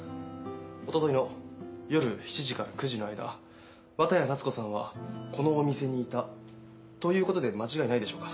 おとといの夜７時から９時の間綿谷夏子さんはこのお店にいたということで間違いないでしょうか？